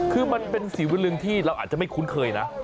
คือมันเป็นสีวิลึงที่เราอาจจะไม่คุ้นเคยนะ